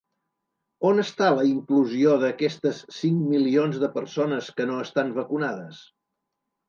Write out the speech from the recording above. On està la inclusió d'aquestes cinc milions de persones que no estan vacunades?